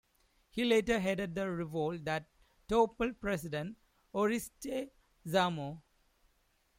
He later headed the revolt that toppled President Oreste Zamor.